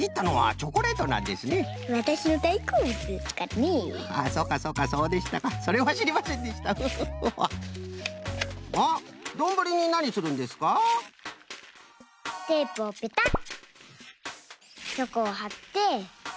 チョコをはって。